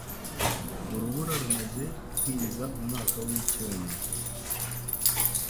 Urubura rumaze kwibiza umwaka wicyuma ...